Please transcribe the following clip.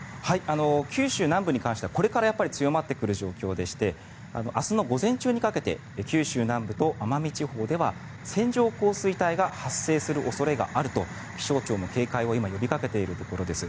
九州南部に関してはこれから強まってくる状況でして明日の午前中にかけて九州南部と奄美地方では線状降水帯が発生する恐れがあると気象庁も警戒を今呼びかけているところです。